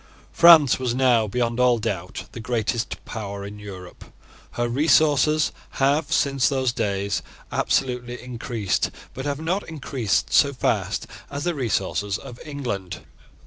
France was now, beyond all doubt, the greatest power in Europe. Her resources have, since those days, absolutely increased, but have not increased so fast as the resources of England.